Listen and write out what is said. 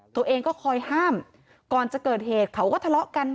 ตัวเองก็คอยห้ามก่อนจะเกิดเหตุเขาก็ทะเลาะกัน